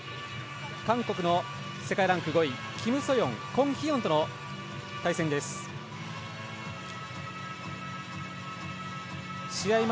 韓国の世界ランク５位キム・ソヨンコン・ヒヨンとの試合です。